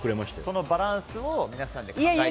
そのバランスを皆さんで考えてくださいと。